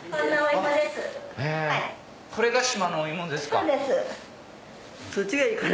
これが島のお芋ですか？